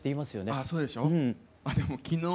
ああそうでしょう。